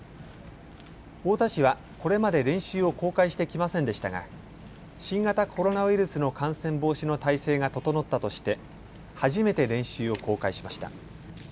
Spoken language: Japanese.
太田市は、これまで練習を公開してきませんでしたが新型コロナウイルスの感染防止の態勢が整ったとして初めて練習を公開しました。